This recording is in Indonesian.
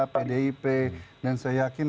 pdip dan saya yakin